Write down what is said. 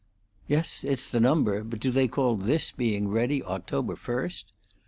"Yes, it's the number; but do they call this being ready October first?"